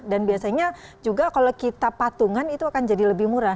dan biasanya juga kalau kita patungan itu akan jadi lebih murah